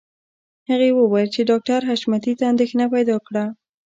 هغې وویل چې ډاکټر حشمتي ته اندېښنه پیدا کړه